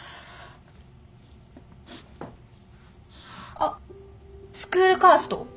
あっスクールカースト。